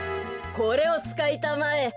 これをつかいたまえ。